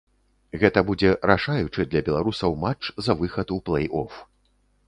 Гэта будзе рашаючы для беларусаў матч за выхад у плэй-оф.